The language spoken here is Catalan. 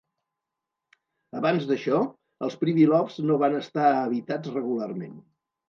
Abans d'això, els Pribilofs no van estar habitats regularment.